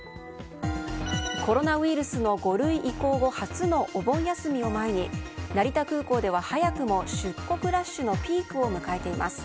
コロナウイルスの５類移行後初のお盆休みを前に成田空港では早くも出国ラッシュのピークを迎えています。